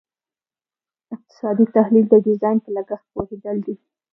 اقتصادي تحلیل د ډیزاین په لګښت پوهیدل دي.